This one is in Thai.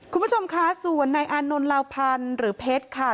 คุณผู้ชมคะส่วนในอานนท์ลาวพันธ์หรือเพชรค่ะ